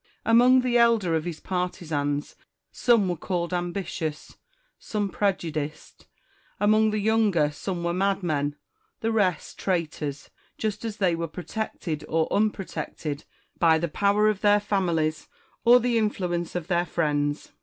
Among the elder of his partisans some were called ambitious, some prejudiced; among the younger, some were madmen, the rest traitors — just as they were protected or unprotected by the power of their families or the influence of their friends. Quinctus.